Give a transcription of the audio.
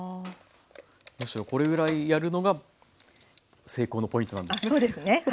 むしろこれぐらいやるのが成功のポイントなんですね。